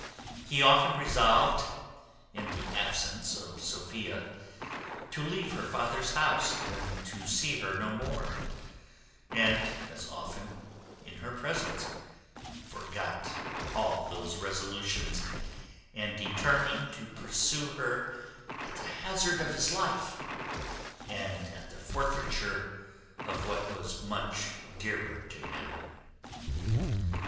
He often resolved, in the absence of Sophia, to leave her father's house, and to see her no more; and as often, in her presence, forgot all those resolutions, and determined to pursue her at the hazard of his life, and at the forfeiture of what was much dearer to him.